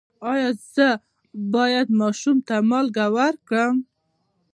ایا زه باید ماشوم ته مالګه ورکړم؟